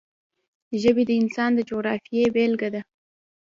ژبې د افغانستان د جغرافیې بېلګه ده.